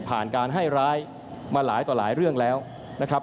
การให้ร้ายมาหลายต่อหลายเรื่องแล้วนะครับ